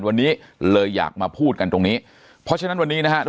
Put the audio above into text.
วันนี้เลยอยากมาพูดกันตรงนี้เพราะฉะนั้นวันนี้นะฮะทุก